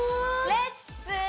「レッツ！